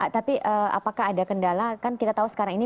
tapi apakah ada kendala kan kita tahu sekarang ini